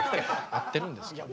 合ってるんですか？